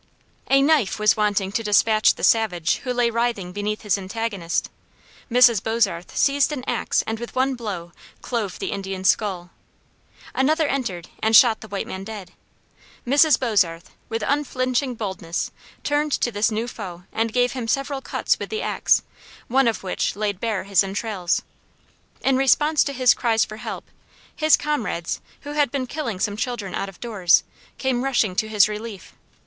A knife was wanting to dispatch the savage who lay writhing beneath his antagonist. Mrs. Bozarth seized an axe and with one blow clove the Indian's skull. Another entered and shot the white man dead. Mrs. Bozarth, with unflinching boldness, turned to this new foe and gave him several cuts with the axe, one of which laid bare his entrails. In response to his cries for help, his comrades, who had been killing some children out of doors, came rushing to his relief.